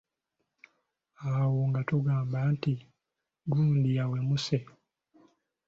Awo nga tugamba nti gundi awemuse.